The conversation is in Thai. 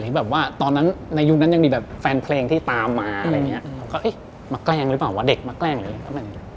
หรือว่าในยุคนั้นยังมีแฟนเพลงที่ตามมามาแกล้งหรือเปล่าเด็กมาแกล้งอะไรอย่างนี้